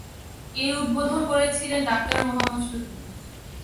এর উদ্বোধন করেছিলেন ডাক্তার মহম্মদ শহীদুল্লাহ।